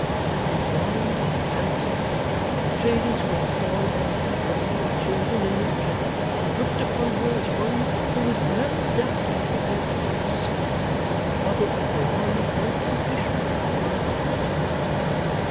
She was young and handsome; and the traders who employ men, women, and children in this traffic, looked upon her as one who was well adapted for their business, and who would probably go on without suspicion for a long time.